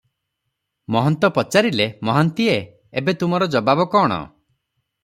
ମହନ୍ତ ପଚାରିଲେ, "ମହାନ୍ତିଏ! ଏବେ ତୁମର ଜବାବ କଣ?"